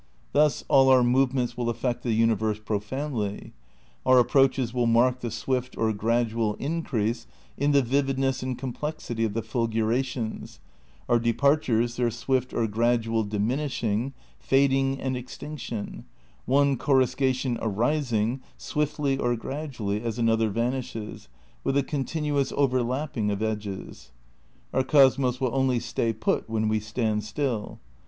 Thus all our movements will affect the universe profoundly. Our approaches will mark the swift or gradual increase in the vividness and complexity of the "fulgurations," our departures their swift or gradual diminishing, fad ing and extinction ; one coruscation arising, swiftly or gradually, as another vanishes, with a continuous over lapping of edges. Our cosmos wiU only "stay put" when we stand stUl.